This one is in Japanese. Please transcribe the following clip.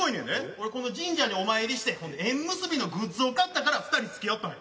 俺この神社にお参りして縁結びのグッズを買ったから二人つきあったんや。